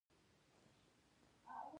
د سیند له پاسه ښه توند باد چلیده.